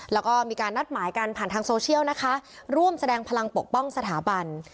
แล้วก็มีการนัดหมายกันผ่านทางโซเชียลนะคะร่วมแสดงพลังปกป้องสถาบัน